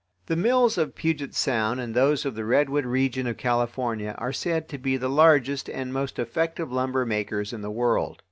The mills of Puget sound and those of the redwood region of California are said to be the largest and most effective lumber makers in the world.